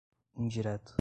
indireto